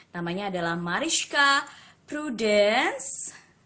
namanya adalah mariska prudence